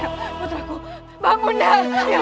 putraku bangun ya